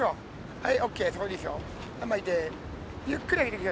はい。